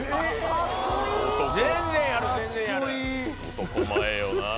男前よな。